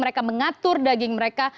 mereka mengatur daging mereka